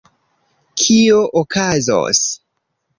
Kio okazos?